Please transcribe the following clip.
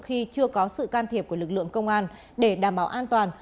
khi chưa có sự can thiệp của lực lượng công an để đảm bảo an toàn